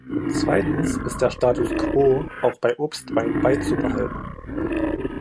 Zweitens ist der Status quo auch bei Obstweinen beizubehalten.